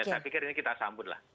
dan saya pikir ini kita sambut lah